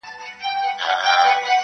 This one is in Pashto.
بیا به وینی چي رقیب وي له جنډۍ سره وتلی -